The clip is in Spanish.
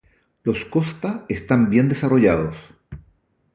Los costa están bien desarrollados.